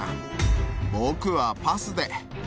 僕はパスで。